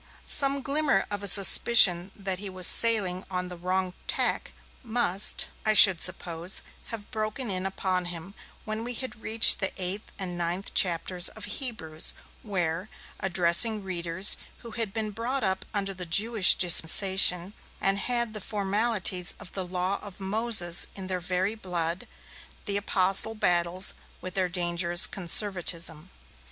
Some glimmer of a suspicion that he was sailing on the wrong tack must, I should suppose, have broken in upon him when we had reached the eighth and ninth chapters of Hebrews, where, addressing readers who had been brought up under the Jewish dispensation, and had the formalities of the Law of Moses in their very blood, the apostle battles with their dangerous conservatism.